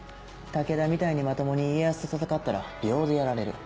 武田みたいにまともに家康と戦ったら秒でやられる。